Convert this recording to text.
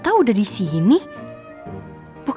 tapi gue pulang dia sama si before